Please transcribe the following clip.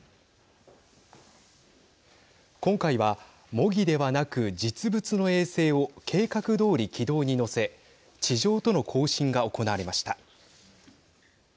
今回は模擬ではなく実物の衛星を計画どおり軌道にのせ地上との交信が行われました。